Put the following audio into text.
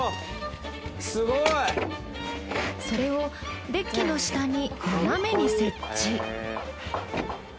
すごい！それをデッキの下に斜めに設置。